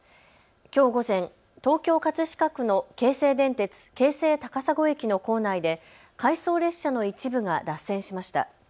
きょう午前、東京葛飾区の京成電鉄京成高砂駅の構内で回送列車の一部が脱線しました。